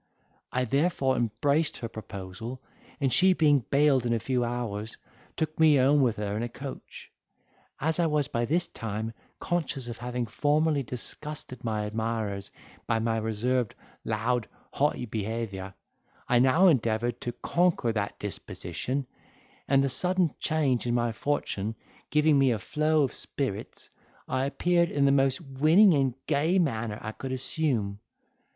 I therefore embraced her proposal, and she being bailed in a few hours, took me home with her in a coach. As I was by this time conscious of having formerly disgusted my admirers by my reserved loud haughty behaviour, I now endeavoured to conquer that disposition, and the sudden change of my fortune giving me a flow of spirits, I appeared in the most winning and gay manner I could assume.